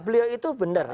beliau itu benar